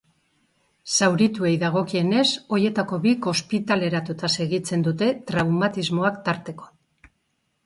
Zaurituei dagokienez, horietako bik ospitaleratuta segitzen dute, traumatismoak tarteko.